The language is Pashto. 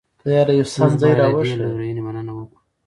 موږ باید د دې لورینې مننه وکړو.